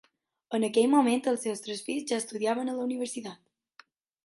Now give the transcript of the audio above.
En aquell moment els seus tres fills ja estudiaven a la universitat.